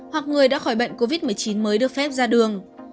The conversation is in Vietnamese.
hoặc người đã khỏi bệnh covid một mươi chín mới được phép ra đường